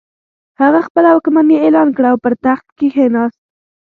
هغه خپله واکمني اعلان کړه او پر تخت کښېناست.